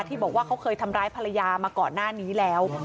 ที่บอกว่าเขาเคยทำร้ายภรรยามาก่อนหน้านี้แล้ว